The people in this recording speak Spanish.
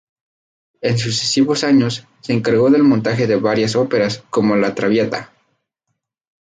En sucesivos años, se encargó del montaje de varias óperas, como "La Traviata".